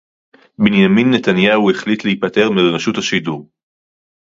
בנימין נתניהו החליט להיפטר מרשות השידור